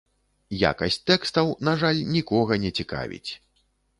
Якасць тэкстаў, на жаль, нікога не цікавіць.